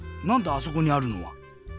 あそこにあるのは。